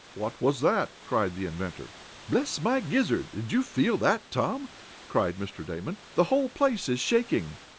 "What was that?" cried the inventor. "Bless my gizzard! Did you feel that, Tom?" cried Mr. Damon. "The whole place is shaking!"